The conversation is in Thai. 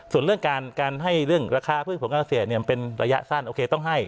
ส่วนเรื่องการให้เรื่องราคาพืชผลการเกษตรเป็นระยะสั้นโอเคต้องให้